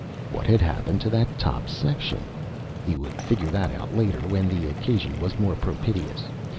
What had happened to that top section? He would figure that out later, when the occasion was more propitious.